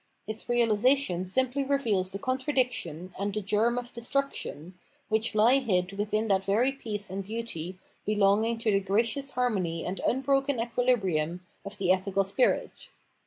Its reahsation simply reveals the contradiction and the germ of destruction, which lie hid within that very peace and beauty belonging to the gracious harmony and un broken equilibrium of the ethical spirit.